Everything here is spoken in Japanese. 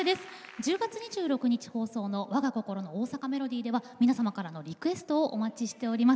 １０月２６日放送の「わが心の大阪メロディー」ではリクエストを募集しています。